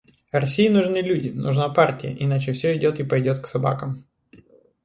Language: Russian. России нужны люди, нужна партия, иначе всё идет и пойдет к собакам.